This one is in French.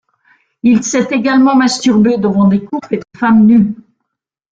Il s'est également masturbé devant des couples et des femmes nues.